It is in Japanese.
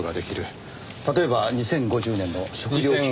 例えば２０５０年の食料危機。